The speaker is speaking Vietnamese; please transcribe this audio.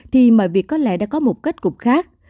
thì mọi việc có lẽ đã có một kết cục khác